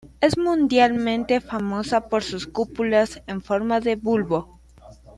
Es mundialmente famosa por sus cúpulas en forma de bulbo.